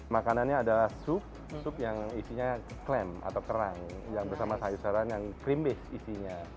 makanannya adalah sup sup yang isinya klaim atau kerang yang bersama sayur sayuran yang cream base isinya